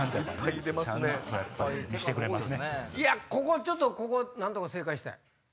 ちょっとここ何とか正解したい。